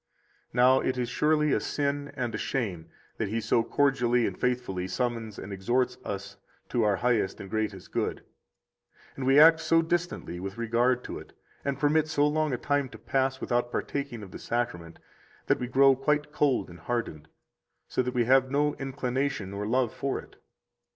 67 Now it is surely a sin and a shame that He so cordially and faithfully summons and exhorts us to our highest and greatest good, and we act so distantly with regard to it, and permit so long a time to pass [without partaking of the Sacrament] that we grow quite cold and hardened, so that we have no inclination or love for it.